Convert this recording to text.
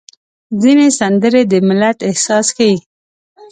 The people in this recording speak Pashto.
ځینې سندرې د ملت احساس ښيي.